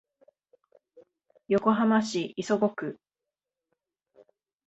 横浜市磯子区